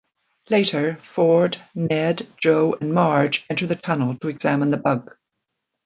Later, Ford, Ned, Joe and Marge enter the tunnel to examine the bug.